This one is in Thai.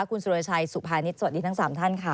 คุณสุรชัยสุภานิษฐ์สวัสดีทั้ง๓ท่านค่ะ